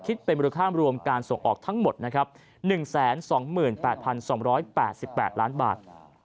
คิดเป็นมูลค่ารวมการส่งออกทั้งหมดนะครับ๑๒๘๒๘๘ล้านบาท